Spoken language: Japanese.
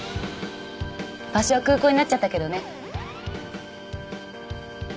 場所は空港になっちゃったけどね。